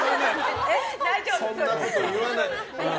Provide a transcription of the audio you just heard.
そんなこと言わない！